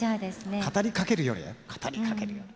語りかけるようにだよ語りかけるように。